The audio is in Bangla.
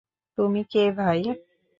তুমি কে ভাই?